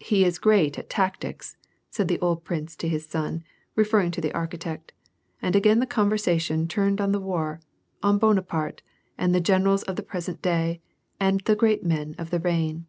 "He is great at tactics," said the old prince to his son, re ferring to the architect, and again the conversation turned on the war, on Bonaparte, and the generals of the present day and the great men of the reign.